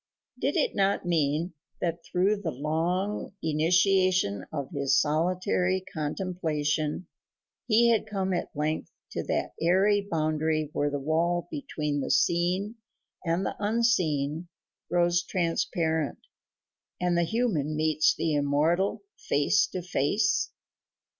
Did it not mean that through the long initiation of his solitary contemplation he had come at length to that aery boundary where the wall between the seen and the unseen grows transparent and the human meets the immortal face to face?